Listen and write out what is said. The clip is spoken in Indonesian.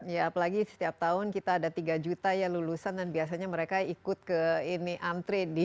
ya apalagi setiap tahun kita ada tiga juta lulusan dan biasanya mereka ikut ke antre di pengangguran ya mbak nadine